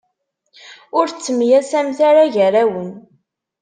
Ur ttemyasamet ara gar-awen.